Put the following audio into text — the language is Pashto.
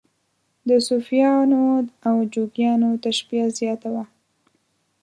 د صوفیانو او جوګیانو تشبیه زیاته وه.